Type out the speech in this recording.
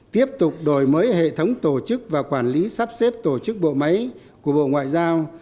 tiếp tục đổi mới hệ thống tổ chức và quản lý sắp xếp tổ chức bộ máy của bộ ngoại giao